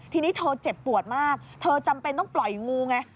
ทีนี้เธอเจ็บปวดมากเธอจำเป็นต้องปล่อยงูไง